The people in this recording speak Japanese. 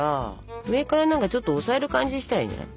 上から何かちょっと押さえる感じにしたらいいんじゃない？